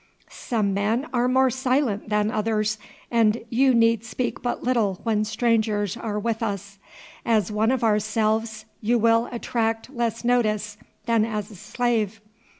Some men are more silent than others, and you need speak but little when strangers are with us. As one of ourselves you will attract less notice than as a slave.